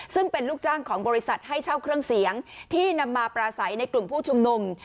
ซึ่งเป็นลูกจ้างของบริษัทให้เช่าเครื่องเสียงที่นำมาปราศัยในกลุ่มผู้ชุมนุม